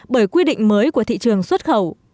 bởi quy định mới của thị trường xuất khẩu